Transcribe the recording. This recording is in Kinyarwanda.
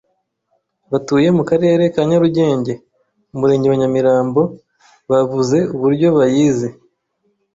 batuye mu Karere ka Nyarugenge, Umurenge wa Nyamirambo, bavuze uburyo bayizi.